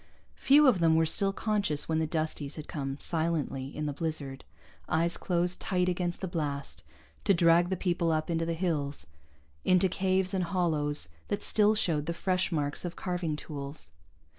Few of them were still conscious when the Dusties had come silently, in the blizzard, eyes closed tight against the blast, to drag the people up into the hills, into caves and hollows that still showed the fresh marks of carving tools.